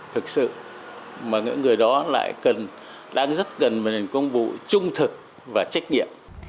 thực sự mà những người đó lại cần đang rất cần một lĩnh công vụ trung thực và trách nhiệm